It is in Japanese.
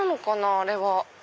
あれは。